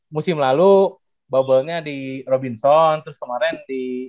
musim lalu bubblenya di robinson terus kemarin di